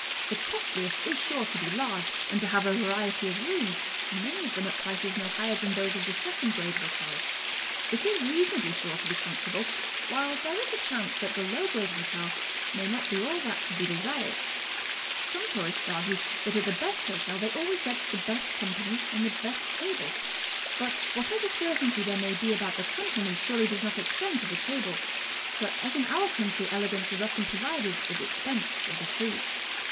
The costliest is sure to be large, and to have a variety of rooms, many of them at prices no higher than those of the second grade hotels. It is reasonably sure to be comfortable, while there is a chance that the low grade hotel may not be all that could be desired. Some tourists argue that at the best hotel they always get the best company and the best table, but whatever certainty there may be about the company surely does not extend to the table, for as in our country elegance is often provided at the expense of the food.